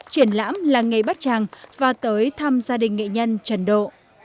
triển lãm làng nghề bát tràng và tới thăm gia đình nghệ nhân trần độ